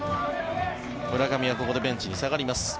村上はここでベンチに下がります。